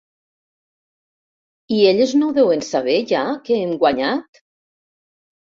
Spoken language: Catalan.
I elles no ho deuen saber, ja, que hem guanyat?